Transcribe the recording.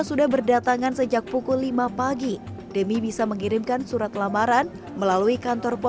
sudah berdatangan sejak pukul lima pagi demi bisa mengirimkan surat lamaran melalui kantor